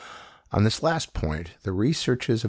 On this last point the researches of M.